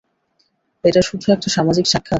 এটা শুধু একটা সামাজিক সাক্ষাত?